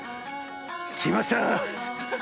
来ました！